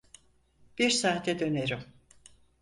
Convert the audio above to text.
Bir saate dönerim.